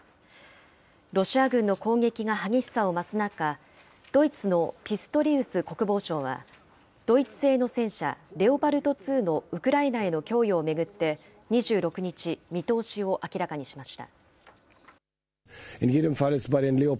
ロシア軍の攻撃が激しさを増す中、ドイツのピストリウス国防相は、ドイツ製の戦車レオパルト２のウクライナへの供与を巡って２６日、見通しを明らかにしました。